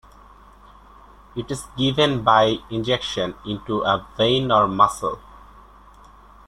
It is given by injection into a vein or muscle.